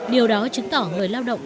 điều đó chứng tỏ người lao động